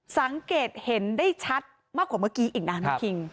สังเกตเห็นได้ชัดมากกว่าเมื่อกี้อีกนะน้องคิง